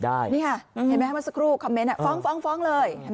ได้นี่ค่ะเห็นไหมครับว่าสกรูคอมเม้นต์ฟ้องเลย